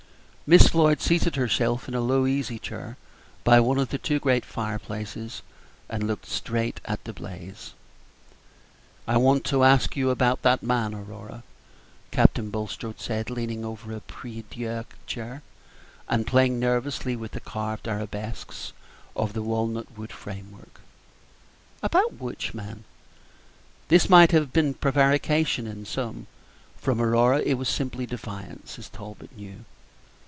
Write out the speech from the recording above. Miss Floyd seated herself in a low easy chair by one of the two great fireplaces, and looked straight at the blaze. "I want to ask you about that man, Aurora," Captain Bulstrode said, leaning over a prie dieu chair, and playing nervously with the carved arabesques of the walnut wood frame work. "About which man?" This might have been prevarication in some; from Aurora it was simply defiance, as Talbot knew.